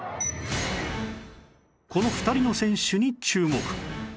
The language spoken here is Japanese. この２人の選手に注目